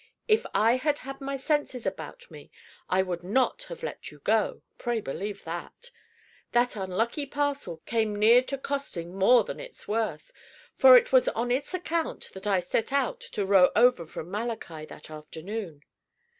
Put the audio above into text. If I had had my senses about me I would not have let you go; pray believe that. That unlucky parcel came near to costing more than it's worth, for it was on its account that I set out to row over from Malachi that afternoon."